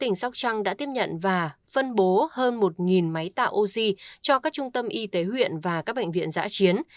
tỉnh sóc trăng đã tiếp nhận và phân bố hơn một máy tạo oxy cho các trung tâm y tế huyện và các bệnh viện giã chiến